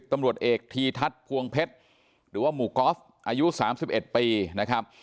ตำรวจเอกทีทัศน์พวงเพชรหรือว่าหมู่กอล์ฟอายุ๓๑ปีนะครับ